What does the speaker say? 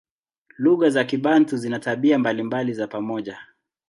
Lugha za Kibantu zina tabia mbalimbali za pamoja.